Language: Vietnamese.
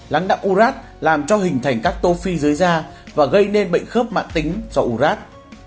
láng đặng ú rác làm cho hình thành các tô phi dưới da và gây nên bệnh khớp mạng tính do ú rác